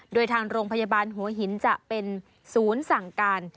โดยทางโรงพยาบาลหัวหินจะเป็นศูนย์สั่งการ